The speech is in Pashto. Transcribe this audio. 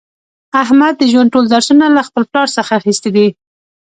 احمد د ژوند ټول درسونه له خپل پلار څخه اخیستي دي.